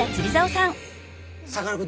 さかなクン